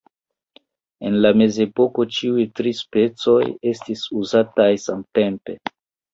En la Mezepoko ĉiuj tri specoj estis uzataj samtempe.